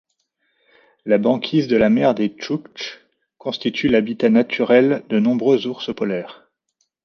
La banquise de la mer des Tchouktches constitue l'habitat naturel de nombreux ours polaires.